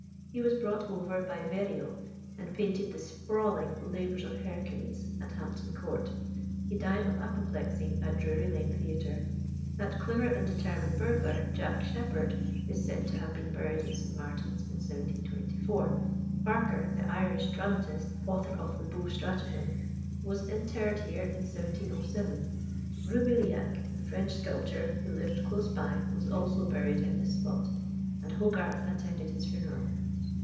He was brought over by Verrio, and painted the "sprawling" "Labours of Hercules" at Hampton Court. He died of apoplexy at Drury Lane Theatre. That clever and determined burglar, Jack Sheppard, is said to have been buried in St. Martin's in 1724. Farquhar, the Irish dramatist, author of "The Beaux' Stratagem," was interred here in 1707. Roubilliac, the French sculptor, who lived close by, was also buried in this spot, and Hogarth attended his funeral.